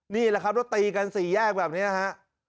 นี่แหละครับแล้วตีกันสี่แยกแบบนี้ฮะ